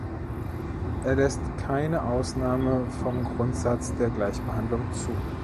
Er lässt keine Ausnahme vom Grundsatz der Gleichbehandlung zu.